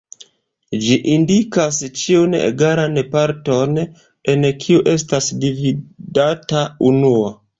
Ĝi indikas ĉiun egalan parton en kiu estas dividata unuo.